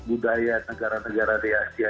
budaya negara negara di asia